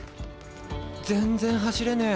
全然走れねえ。